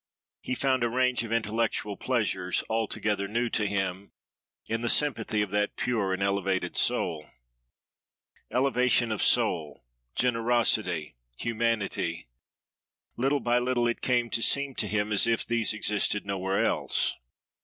He found a range of intellectual pleasures, altogether new to him, in the sympathy of that pure and elevated soul. Elevation of soul, generosity, humanity—little by little it came to seem to him as if these existed nowhere else.